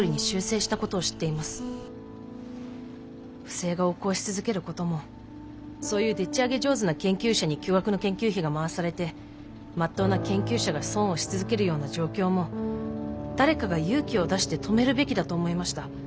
不正が横行し続けることもそういうでっちあげ上手な研究者に巨額の研究費が回されてまっとうな研究者が損をし続けるような状況も誰かが勇気を出して止めるべきだと思いました。